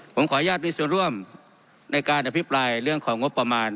ผมขออนุญาตมีส่วนร่วมในการอภิปรายเรื่องของงบประมาณ